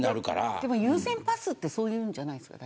でも、優先パスってそういうものなんじゃないんですか。